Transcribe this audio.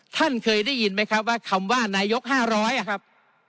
ท่านเคยได้ยินไหมครับว่าคำว่านายก๕๐๐ครับ